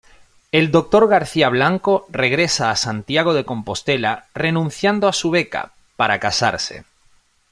El Dr. García-Blanco regresa a Santiago de Compostela renunciando a su beca, para casarse.